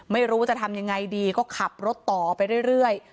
ไม่รู้จะทำยังไงดีก็ขับรถต่อไปเรื่อย